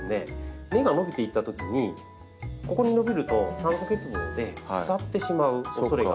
根が伸びていったときにここに伸びると酸素欠乏で腐ってしまうおそれがあるんですね。